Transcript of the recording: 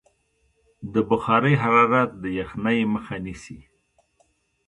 د بخارۍ حرارت د یخنۍ مخه نیسي.